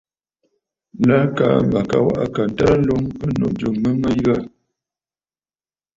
Lâ kaa mə̀ ka waꞌà kà ǹtərə nloŋ ɨnnù jû mə mə̀ yə aà.